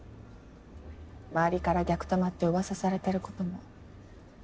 周りから逆玉って噂されてることも。